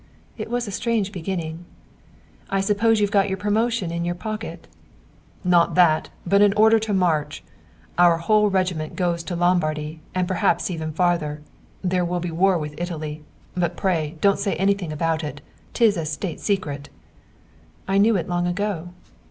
It was a strange beginning. "I suppose you've got your promotion in your pocket?" "Not that, but an order to march. Our whole regiment goes to Lombardy, and perhaps even farther. There will be war with Italy, but pray don't say anything about it. 'Tis a State secret." "I knew it long ago."